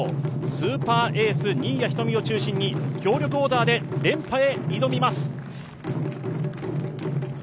スーパーエース・新谷仁美を中心に強力オーダーで連覇へ挑みます。